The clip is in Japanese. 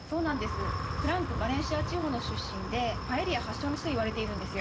フランクバレンシア地方の出身でパエリア発祥の地といわれているんですよ。